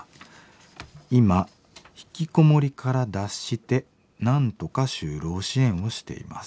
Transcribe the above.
「今ひきこもりから脱してなんとか就労支援をしています。